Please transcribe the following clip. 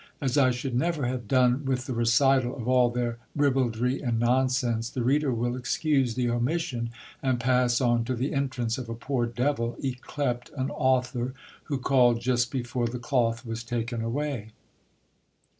As I should never have done with the recital of all their ribaldry and nonsense, the reader will excuse the omission, and pass on to the entrance of a poor devil, yclept an author, who called just befoie. the cloth was taken away.